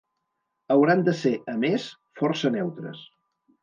Hauran de ser, a més, força neutres.